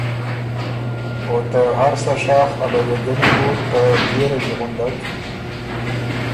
او ته هر سۀ شاخ ا لیه ګني بو ته بيې رݫی غُندک